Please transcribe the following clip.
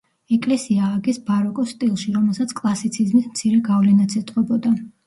ეკლესია ააგეს ბაროკოს სტილში, რომელსაც კლასიციზმის მცირე გავლენაც ეტყობოდა.